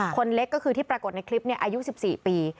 คนเล็กก็คือที่ปรากฏในคลิปอายุ๑๔ปี